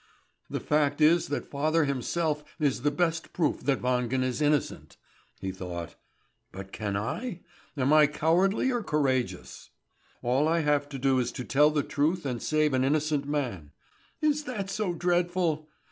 "The fact is that father himself is the best proof that Wangen is innocent," he thought. "But can I? Am I cowardly or courageous? All I have to do is to tell the truth and save an innocent man. Is that so dreadful?